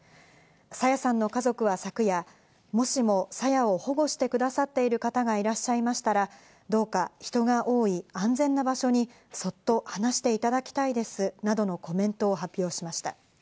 朝芽さんの家族は昨夜、もしも朝芽を保護してくださっている方がいらっしゃいましたら、どうか人が多い安全な場所にそっと離していただきたいですなどのコメントを発表しました。